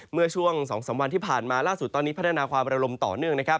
เมื่อช่วง๒๓วันที่ผ่านมาล่าสุดตอนนี้พัฒนาความระลมต่อเนื่องนะครับ